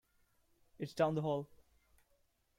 It's down the hall.